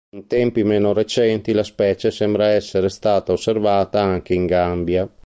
In tempi meno recenti, la specie sembra essere stata osservata anche in Gambia.